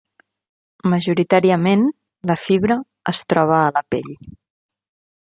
Majoritàriament, la fibra es troba a la pell.